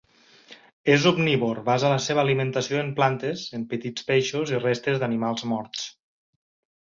És omnívor: basa la seva alimentació en plantes, en petits peixos i restes d’animals morts.